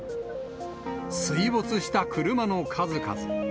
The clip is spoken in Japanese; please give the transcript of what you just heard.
水没した車の数々。